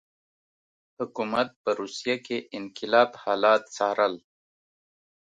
حکومت په روسیه کې انقلاب حالات څارل.